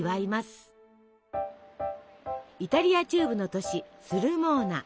イタリア中部の都市スルモーナ。